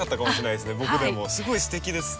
すごいすてきです。